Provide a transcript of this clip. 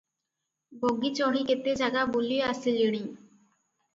Bogie ଚଢ଼ି କେତେ ଜାଗା ବୁଲି ଆସିଲେଣି ।